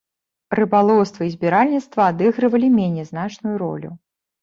Рыбалоўства і збіральніцтва адыгрывалі меней значную ролю.